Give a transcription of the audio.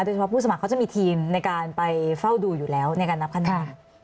เฉพาะผู้สมัครเขาจะมีทีมในการไปเฝ้าดูอยู่แล้วในการนับคะแนน